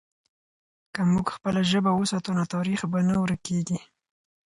که موږ خپله ژبه وساتو، نو تاریخ به نه ورکېږي.